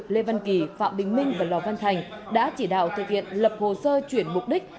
lê văn kỳ phạm bình minh và lò văn thành đã chỉ đạo thực hiện lập hồ sơ chuyển mục đích